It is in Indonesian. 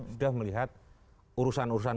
sudah melihat urusan urusan